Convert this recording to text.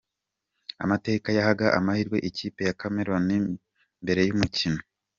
Amateka yahaga amahirwe ikipe ya Cameroon mbere y’umukino.